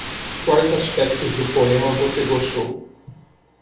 Quais aspectos do poema você gostou?